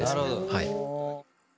はい。